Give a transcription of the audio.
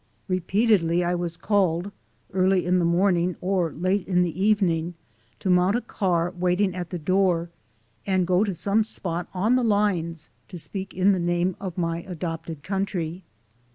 Repeatedly I was called, early in the morning or late in the evening, to mount a car waiting at the door and go to some spot on the lines to speak in the name of my adopted country.